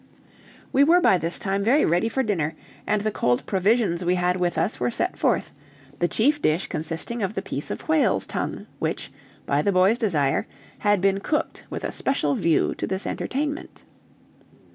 We were by this time very ready for dinner, and the cold provisions we had with us were set forth, the chief dish consisting of the piece of whale's tongue, which, by the boys' desire, had been cooked with a special view to this entertainment.